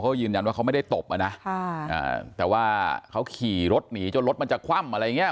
เขายืนยันว่าเขาไม่ได้ตบอ่ะนะแต่ว่าเขาขี่รถหนีจนรถมันจะคว่ำอะไรอย่างเงี้